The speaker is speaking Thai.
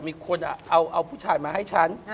มีคนเอาผู้ชายมาให้ฉัน